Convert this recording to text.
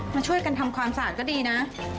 มาช่วยกันทำความสะอาดก็ดีนะ